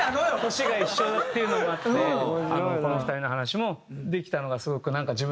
年が一緒っていうのもあってこの２人の話もできたのがすごく自分的には嬉しかったし。